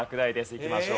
いきましょう。